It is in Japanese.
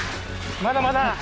まだまだ。